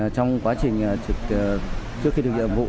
trong quá trình trước khi thực hiện nhiệm vụ